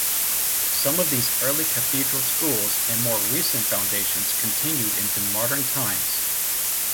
Some of these early cathedral schools, and more recent foundations, continued into modern times.